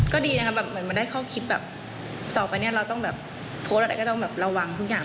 ก็ดีนะครับแบบเหมือนมันได้ข้อคิดแบบต่อไปเนี่ยเราต้องแบบโพสต์อะไรก็ต้องแบบระวังทุกอย่าง